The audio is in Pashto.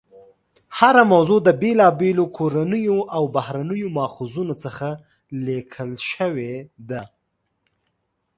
هره موضوع د بېلابېلو کورنیو او بهرنیو ماخذونو څخه لیکل شوې ده.